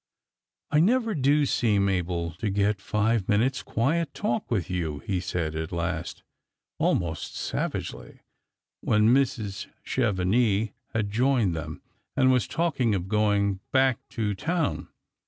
" I never do seem able to get five minutes' quiet talk with you," he said at last, almost savagely, when Mrs. Chevenix had joined them, and was talking of going back to town.